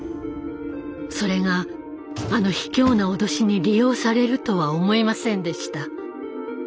それがあの卑怯な脅しに利用されるとは思いませんでした。